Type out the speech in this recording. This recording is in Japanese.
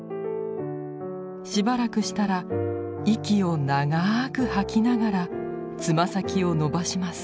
しばらくしたら息を長く吐きながらつま先を伸ばします。